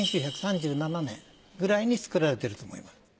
１９３７年くらいに作られてると思います。